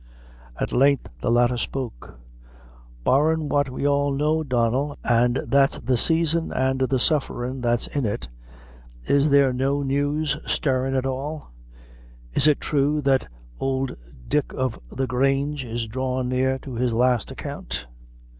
At length the latter spoke. "Barrin' what we all know, Donnel, an' that's the saison an' the sufferin' that's in it, is there no news stirrin' at all? Is it thrue that ould Dick o' the Grange is drawin' near to his last account?"